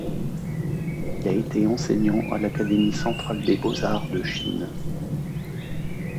Il a été enseignant à l'Académie centrale des beaux-arts de Chine.